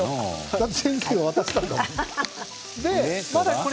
だって先生が渡したんだもん。